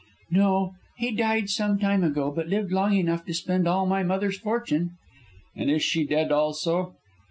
"No, he died some time ago, but lived long enough to spend all my mother's fortune." "And is she dead also?"